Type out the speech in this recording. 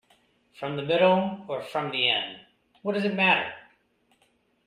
From the middle or from the end — what does it matter?